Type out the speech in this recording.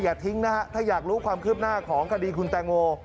อย่าทิ้งนะฮะถ้าอยากรู้ความคืบหน้าของคดีคุณแตงโม